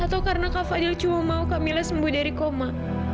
atau karena kak fadhil cuma mau camilla sembuh dari koma